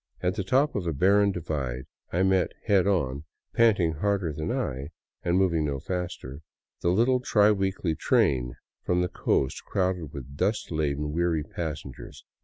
At the top of a barren divide I met head on, panting harder than I, and moving no faster, the little tri weekly train from the coast, crowded with dust laden, weary passengers.